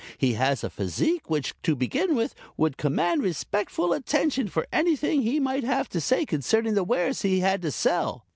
He has a physique which, to begin with, would command respectful attention for anything he might have to say concerning the wares he had to sell.